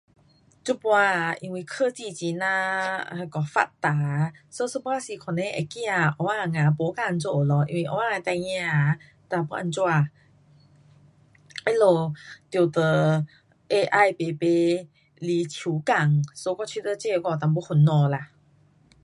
这次啊，因为科技很呀那个发达啊，so 有半时可能会怕后天啊没工做咯，因为后天的孩儿啊，哒要怎样？他们得跟 AI 排排来抢工，so 我觉得这我有一点烦恼啦。